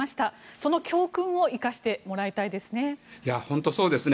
その教訓を生かしてもらいたいですね。